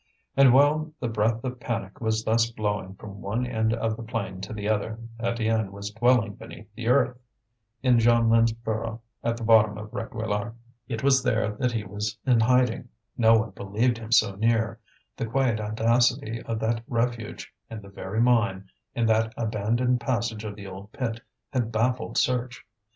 And while the breath of panic was thus blowing from one end of the plain to the other, Étienne was dwelling beneath the earth, in Jeanlin's burrow at the bottom of Réquillart. It was there that he was in hiding; no one believed him so near; the quiet audacity of that refuge, in the very mine, in that abandoned passage of the old pit, had baffled search.